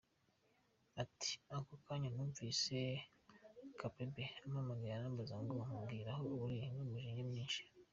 Ati "Ako kanya numvise Kabebe ampamagaye, arambaza ngo mbwira aho uri, n’umujinya mwinshi.